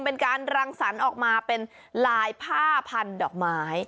เป็นการรังสรรค์ออกมาเป็นลายผ้าพันดอกไม้